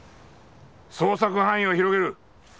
捜索範囲を広げる。